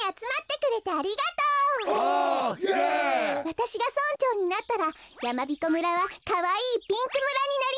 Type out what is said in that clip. わたしが村長になったらやまびこ村はかわいいピンク村になります！